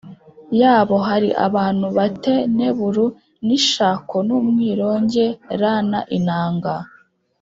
yabo hari abantu ba te nebelu n ishako n umwironge rn inanga